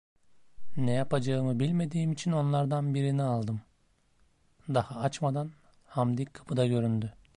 Ne yapacağımı bilmediğim için onlardan birini aldım, daha açmadan Hamdi kapıda göründü.